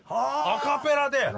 アカペラで。